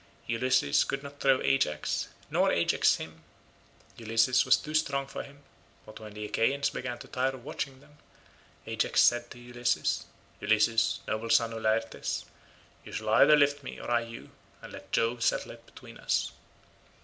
Ulysses could not throw Ajax, nor Ajax him; Ulysses was too strong for him; but when the Achaeans began to tire of watching them, Ajax said to Ulysses, "Ulysses, noble son of Laertes, you shall either lift me, or I you, and let Jove settle it between us."